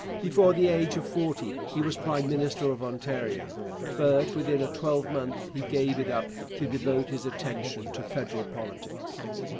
Before the age of forty he was prime minister of Ontario, but within a twelvemonth he gave it up to devote his attention to federal politics.